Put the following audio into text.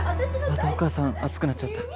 またお母さん熱くなっちゃった。